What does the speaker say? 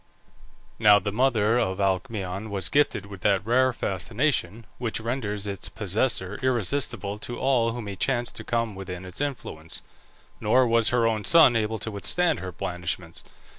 Now the mother of Alcmaeon was gifted with that rare fascination which renders its possessor irresistible to all who may chance to come within its influence; nor was her own son able to withstand her blandishments.